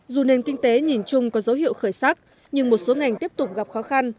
dù nền kinh tế nhìn chung có dấu hiệu khởi sắc nhưng một số ngành tiếp tục gặp khó khăn